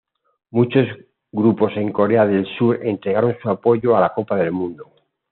Muchos grupos en Corea del Sur entregaron su apoyo a la Copa del Mundo.